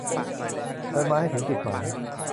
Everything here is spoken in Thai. โดยมาให้ถึงจุดหมาย